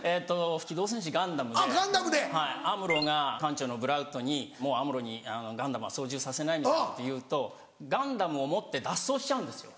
『機動戦士ガンダム』でアムロが艦長のブライトにもうアムロにガンダムは操縦させないみたいなこと言うとガンダムを持って脱走しちゃうんですよ